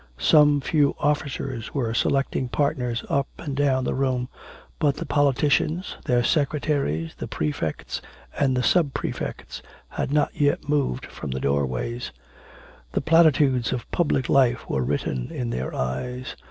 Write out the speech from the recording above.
Some few officers were selecting partners up and down the room, but the politicians, their secretaries, the prefects, and the sub prefects had not yet moved from the doorways. The platitudes of public life were written in their eyes.